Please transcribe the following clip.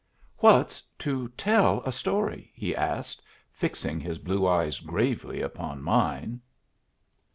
"What's to tell a story?" he asked, fixing his blue eyes gravely upon mine.